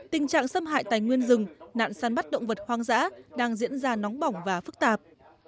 tình trạng xâm hại tài nguyên rừng nạn săn bắt động vật hoang dã đang diễn ra nóng bỏng và phức tạp